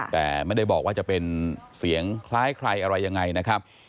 แต่ไม่ได้บอกว่าจะเป็นเสียงคล้ายใครอะไรยังไงนะครับ